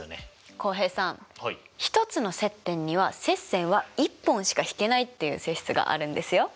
浩平さん１つの接点には接線は１本しかひけないっていう性質があるんですよ。